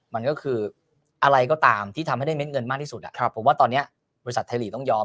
มันก็คืออะไรก็ตามที่ทำให้ได้เม็ดเงินมากที่สุดผมว่าตอนนี้บริษัทไทยลีกต้องยอม